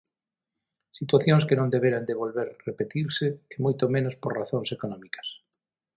Situacións que non deberan de volver repetirse e moito menos por razóns económicas.